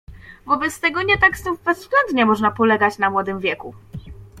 "Wobec tego nie tak znów bezwzględnie można polegać na młodym wieku."